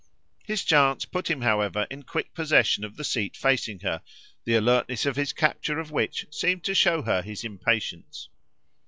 His chance put him however in quick possession of the seat facing her, the alertness of his capture of which seemed to show her his impatience.